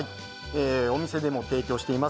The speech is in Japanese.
お店でも提供しています